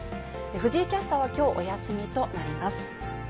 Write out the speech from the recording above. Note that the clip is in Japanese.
藤井キャスターはきょう、お休みとなります。